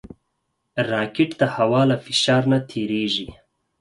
راکټ د هوا له فشار نه تېریږي